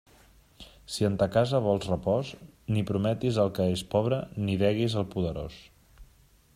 Si en ta casa vols repòs, ni prometis al que és pobre, ni deguis al poderós.